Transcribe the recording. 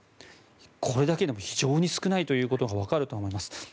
これだけでも非常に少ないということが分かると思います。